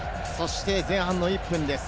前半１分です。